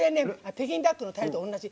北京ダックのタレと同じ。